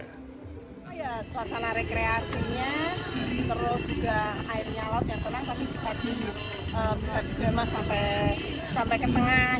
kreatifnya terus juga airnya laut yang tenang tapi bisa dijema sampai ke tengah